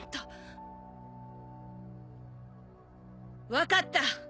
分かった。